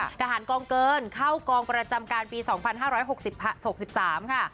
อาหารกองเกินเข้ากองประจำการปีสองพันห้าร้อยหกสิบหาสี่สิบสามค่ะ